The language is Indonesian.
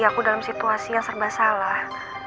aku dalam situasi yang serba salah